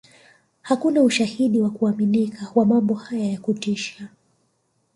Hakuna ushahidi wa kuaminika wa mambo haya ya kutisha